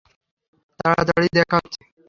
তাড়াতাড়িই দেখা হচ্ছে।